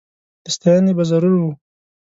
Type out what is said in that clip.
د ستایني به ضرور و